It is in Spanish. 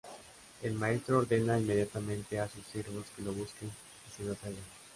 El maestro ordena inmediatamente a su siervos que lo busquen y se lo traigan.